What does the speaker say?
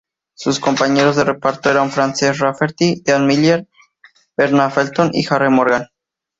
Sus compañeros de reparto eran Frances Rafferty, Dean Miller, Verna Felton, y Harry Morgan.